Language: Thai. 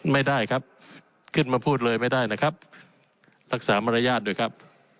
ไม่ได้ครับขึ้นมาพูดเลยไม่ได้นะครับรักษามารยาทด้วยครับ